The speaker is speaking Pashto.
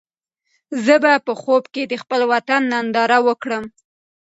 زه به په خوب کې د خپل وطن ننداره وکړم.